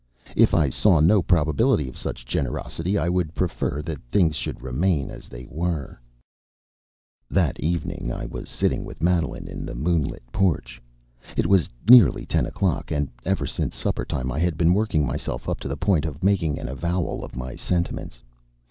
If I saw no probability of such generosity, I would prefer that things should remain as they were. That evening I was sitting with Madeline in the moonlit porch. It was nearly ten o'clock, and ever since supper time I had been working myself up to the point of making an avowal of my sentiments.